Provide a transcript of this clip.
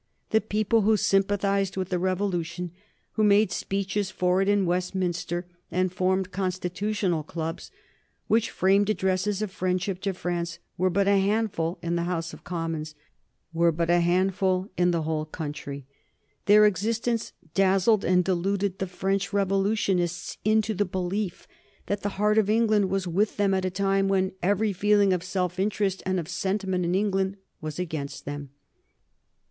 The people who sympathized with the Revolution, who made speeches for it in Westminster and formed Constitutional Clubs which framed addresses of friendship to France, were but a handful in the House of Commons, were but a handful in the whole country. Their existence dazzled and deluded the French Revolutionists into the belief that the heart of England was with them at a time when every feeling of self interest and of sentiment in England was against them.